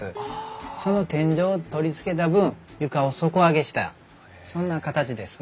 その天井を取り付けた分床を底上げしたそんな形ですね。